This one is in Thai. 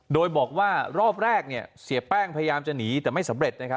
โดยบอกว่ารอบแรกเสียแป้งพยายามจะหนีแต่ไม่สำเร็จ